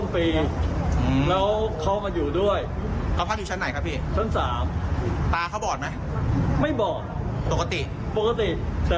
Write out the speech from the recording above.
เป็นพระม่า